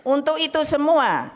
untuk itu semua